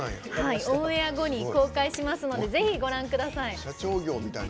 オンエア後に公開しますのでぜひご覧ください。